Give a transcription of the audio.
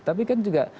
tapi kan juga